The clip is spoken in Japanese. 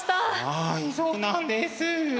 はいそうなんです。